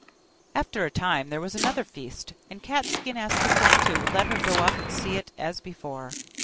After a time there was another feast, and Cat skin asked the cook to let her go up and see it as before.